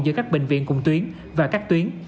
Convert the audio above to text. giữa các bệnh viện cùng tuyến và các tuyến